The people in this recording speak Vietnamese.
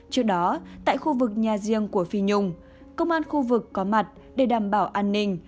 trước đó tại khu vực nhà riêng của phi nhung công an khu vực có mặt để đảm bảo an ninh